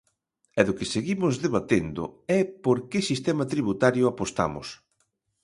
E do que seguimos debatendo é por que sistema tributario apostamos.